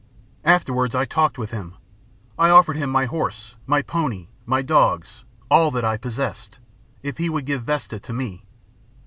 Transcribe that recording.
Afterwards, I talked with him. I offered him my horse, my pony, my dogs, all that I possessed, if he would give Vesta to me.